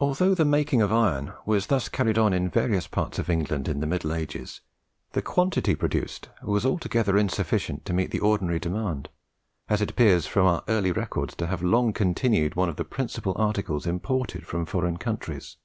Although the making of iron was thus carried on in various parts of England in the Middle Ages, the quantity produced was altogether insufficient to meet the ordinary demand, as it appears from our early records to have long continued one of the principal articles imported from foreign countries.